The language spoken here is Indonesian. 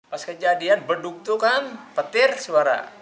pas kejadian beduk itu kan petir suara